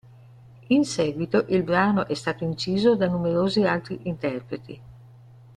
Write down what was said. In seguito, il brano è stato inciso da numerosi altri interpreti.